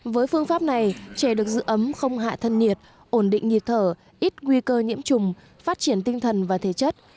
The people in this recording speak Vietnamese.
với phương pháp này trẻ được giữ ấm không hạ thân nhiệt ổn định nhịp thở ít nguy cơ nhiễm trùng phát triển tinh thần và thể chất